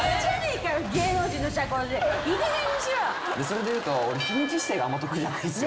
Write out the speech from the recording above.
それでいうと。